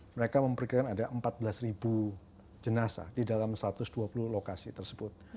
mereka memperkirakan ada empat belas jenazah di dalam satu ratus dua puluh lokasi tersebut